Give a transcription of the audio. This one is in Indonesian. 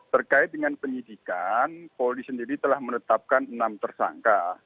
terkait dengan penyidikan polri sendiri telah menetapkan enam tersangka